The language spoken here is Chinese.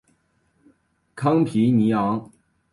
康皮尼昂。